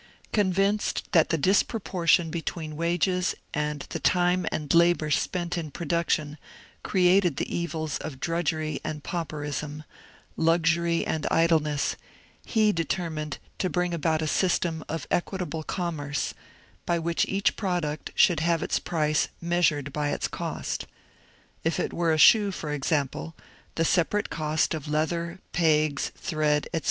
Convinced that the disproportion between wages and the time and labour spent in production created the evils of drudgery and pauper ism, luxury and idleness, he determined to bring about a sys tem of '^ equitable commerce," by which each product should have its price measured by its cost. If it were a shoe, for ex ample, the separate cost of leather, pegs, thread, etc.